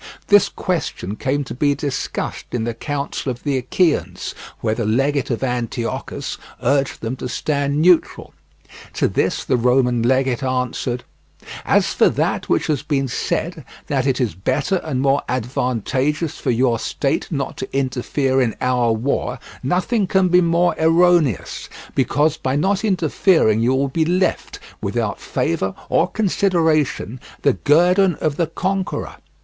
This question came to be discussed in the council of the Achaeans, where the legate of Antiochus urged them to stand neutral. To this the Roman legate answered: "As for that which has been said, that it is better and more advantageous for your state not to interfere in our war, nothing can be more erroneous; because by not interfering you will be left, without favour or consideration, the guerdon of the conqueror."